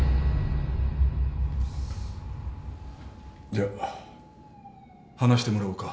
じゃあ話してもらおうか。